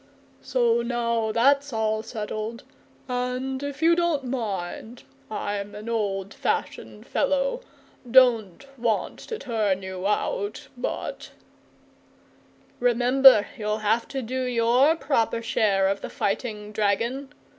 So now that's all settled, and if you don't mind I'm an old fashioned fellow don't want to turn you out, but " "Remember, you'll have to do your proper share of the fighting, dragon!"